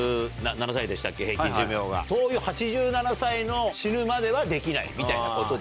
そういう８７歳の死ぬまではできないみたいなことですかね。